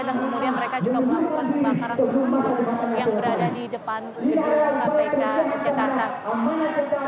dan kemudian mereka juga melakukan pembakaran yang berada di depan gedung kpk